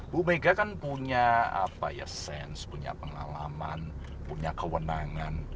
bu mega kan punya sense punya pengalaman punya kewenangan